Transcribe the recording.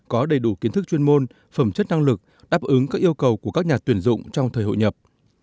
có đầy đủ kiến thức chuyên môn phẩm chất năng lực đáp ứng các yêu cầu của các nhà tuyển dụng trong thời hội nhập